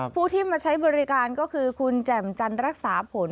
ผู้ที่มาใช้บริการก็คือคุณแจ่มจันรักษาผล